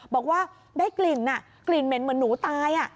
บอกว่าได้กลิ่นกลิ่นเหม็นเหมือนหนูตาย